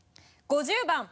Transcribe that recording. ５０番。